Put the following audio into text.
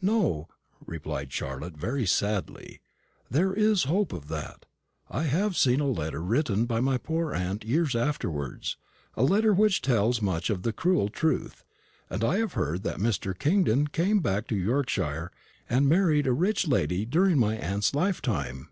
"No," replied Charlotte, very sadly; "there is no hope of that. I have seen a letter written by my poor aunt years afterwards a letter that tells much of the cruel truth; and I have heard that Mr. Kingdon came back to Yorkshire and married a rich lady during my aunt's lifetime."